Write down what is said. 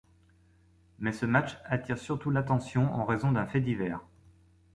Mais ce match attire surtout l'attention en raison d'un fait divers.